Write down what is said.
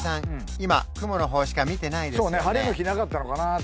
今雲の方しか見てないですよね？